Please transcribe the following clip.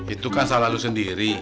itu kan salah lu sendiri